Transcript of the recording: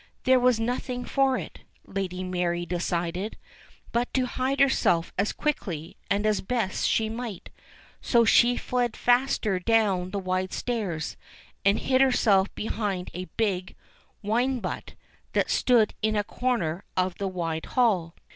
There was nothing for it, Lady Mary decided, but to hide herself as quickly, and as best she might ; so she fled faster down the wide stairs, and hid herself behind a big wine butt that stood in a corner of the wide hall.